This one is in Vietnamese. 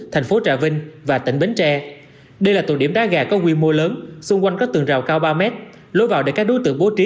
thành phố trà vinh và tỉnh bến tre đây là tụ điểm đá gà có quy mô lớn xung quanh có tường rào cao ba mét lối vào để các đối tượng bố trí